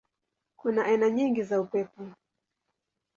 Kuna aina nyingi za upepo.